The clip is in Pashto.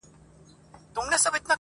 هغه سنګین، هغه سرکښه د سیالیو وطن!.